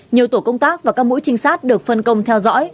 nhiều tổ công tác và các mũi trinh sát được phân công theo dõi